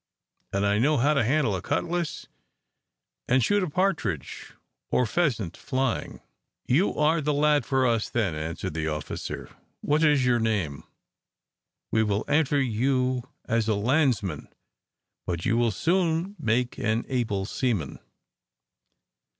And I know how to handle a cutlass, and shoot a partridge or pheasant flying." "You are the lad for us then," answered the officer. "What is your name? We will enter you as a landsman; but you will soon make an able seaman."